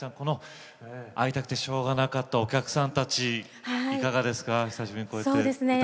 会いたくてしょうがなかったお客さんたちいかがでした？